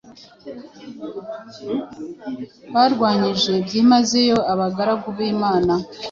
barwanyije byimazeyo abagaragu b’Imana.